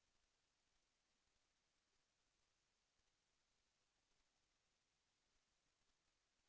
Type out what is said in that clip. แสวได้ไงของเราก็เชียนนักอยู่ค่ะเป็นผู้ร่วมงานที่ดีมาก